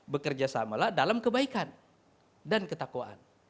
bekerja samalah dalam kebaikan dan ketakwaan